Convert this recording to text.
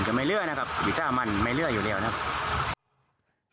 ไม่เลื่อนะครับอยู่ถ้ามันไม่เลื่ออยู่แล้วนะครับ